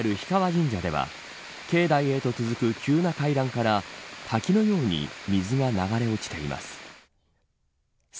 神社では境内へと続く急な階段から滝のように水が流れ落ちています。